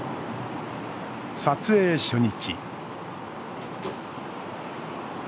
撮影初日。